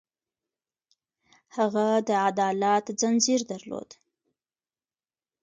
هغه د عدالت ځنځیر درلود.